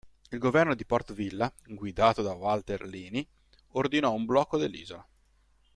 Il governo di Port Vila, guidato da Walter Lini, ordinò un blocco dell'isola.